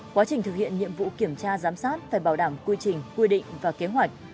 quá trình thực hiện nhiệm vụ kiểm tra giám sát phải bảo đảm quy trình quy định và kế hoạch